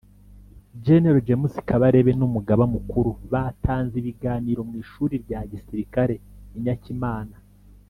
Gen James Kabarebe n’Umugaba Mukuru batanze ibiganiro mu ishuri rya gisirikare i Nyakimana